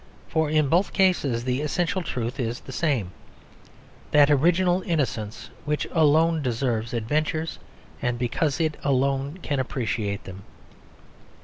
For in both cases the essential truth is the same; that original innocence which alone deserves adventures and because it alone can appreciate them.